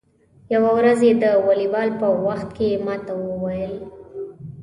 یوه ورځ یې د والیبال په وخت کې ما ته و ویل: